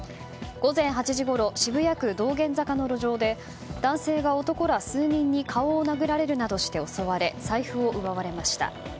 午前８時ごろ渋谷区道玄坂の交差点の路上で男性が男ら数人に顔を殴られるなどして襲われ、財布を奪われました。